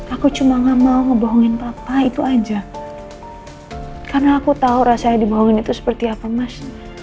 aku cuma gak mau ngebohongin papa itu aja karena aku tahu rasanya dibohongin itu seperti apa mas